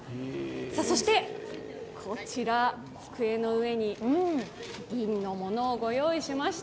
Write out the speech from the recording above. そして、机の上に銀のものをご用意しました。